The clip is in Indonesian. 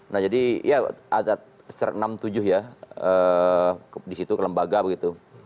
nah jadi ya ada enam tujuh ya di situ ke lembaga begitu